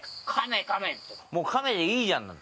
もうカメでいいじゃんなんて。